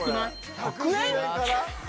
１００円！？